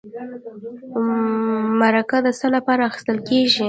مرکه د څه لپاره اخیستل کیږي؟